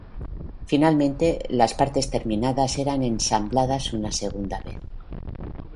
Finalmente, las partes terminadas eran ensambladas una segunda vez.